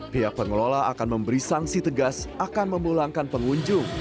pihak pengelola akan memberi sanksi tegas akan memulangkan pengunjung